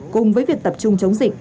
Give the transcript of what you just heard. cùng với việc tập trung chống dịch